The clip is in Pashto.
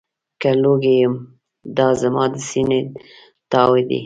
که لوګی یم، دا زما د سینې تاو دی.